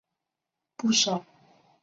不少人出席这次盛会。